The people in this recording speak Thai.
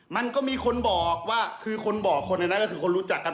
มันก็มีคนบอกว่าคือคนบอกคนในนั้นก็คือคนรู้จักกัน